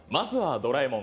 ドラえもん」